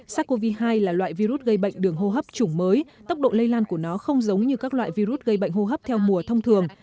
sars cov hai là loại virus gây bệnh đường hô hấp chủng mới tốc độ lây lan của nó không giống như các loại virus gây bệnh hô hấp theo mùa thông thường